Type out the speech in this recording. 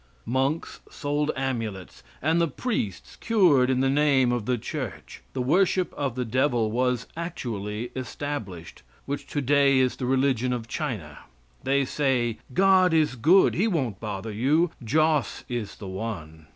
Monks sold amulets, and the priests cured in the name of the church. The worship of the devil was actually established, which today is the religion of China. They say: "God is good; He won't bother you; Joss is the one."